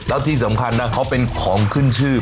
แล้วที่สำคัญนะเขาเป็นของขึ้นชื่อ